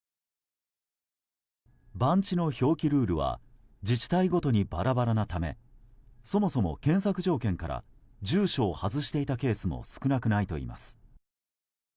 番地の表記ルールは自治体ごとにバラバラなためそもそも検索条件から住所を外していたケースも少なくないといいます。